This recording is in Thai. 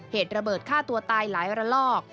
เหตุระเบิดฆ่าตัวตายหลายระลอก